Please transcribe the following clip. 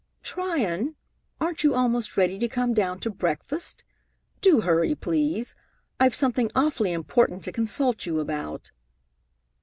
"Tryon, aren't you almost ready to come down to breakfast? Do hurry, please. I've something awfully important to consult you about."